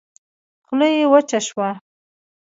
خوله يې وچه شوه.